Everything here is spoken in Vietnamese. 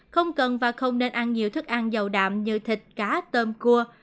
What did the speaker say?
không cần và không nên ăn nhiều thức ăn giàu đạm như thịt cá tôm cua